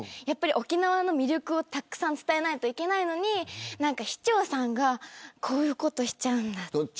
沖縄の魅力をたくさん伝えないといけないのに市長さんがこういうことをしちゃうんだ。